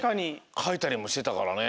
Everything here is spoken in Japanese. かいたりもしてたからね。